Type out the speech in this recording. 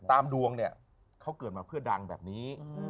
ตามดวงเนี่ยเขาเกิดมาเพื่อดังแบบนี้